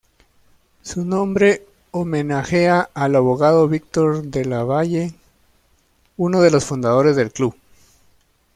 Su nombre homenajea al abogado Víctor Della Valle, uno de los fundadores del club.